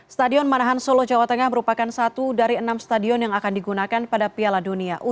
stadion manahan solo jawa tengah merupakan satu dari enam stadion yang akan digunakan pada piala dunia u dua puluh